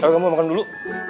kamu makan dulu